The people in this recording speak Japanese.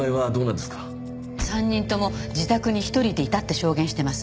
３人とも自宅に１人でいたって証言してます。